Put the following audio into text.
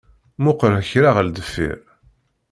Muqel kra ɣer deffir